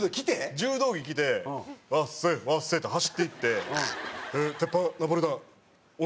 柔道着着て「わっせわっせ」って走っていって「鉄板ナポリタンお願いします！」